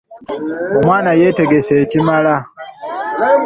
Omwana yeetegese ekimala.